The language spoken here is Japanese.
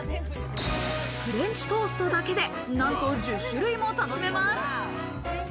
フレンチトーストだけで、なんと１０種類も楽しめます。